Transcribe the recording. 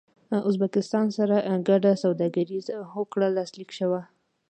ازبکستان سره ګډه سوداګريزه هوکړه لاسلیک شوه